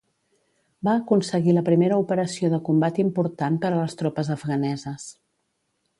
Va aconseguir la primera operació de combat important per a les tropes afganeses.